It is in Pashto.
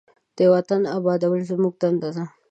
د وطن آبادول زموږ دنده ده.